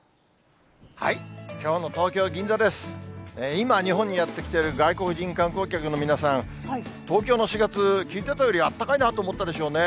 今、日本にやって来てる外国人観光客の皆さん、東京の４月、聞いてたよりあったかいなと思ったでしょうね。